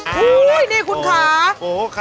โอ้โหนี่คุณค่ะ